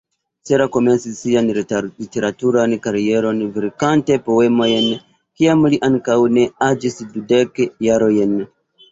Cela komencis sian literaturan karieron verkante poemojn kiam li ankoraŭ ne aĝis dudek jarojn.